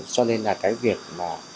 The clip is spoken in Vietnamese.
cho nên là cái việc mà